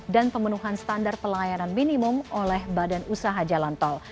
dan pemenuhan standar pelayanan minimum oleh badan usaha jalan tol